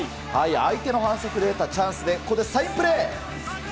相手の反則で得たチャンスで、ここでサインプレー。